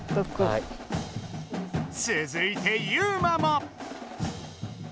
つづいてユウマも！